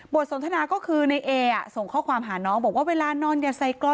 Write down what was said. สนทนาก็คือในเอส่งข้อความหาน้องบอกว่าเวลานอนอย่าใส่กรอน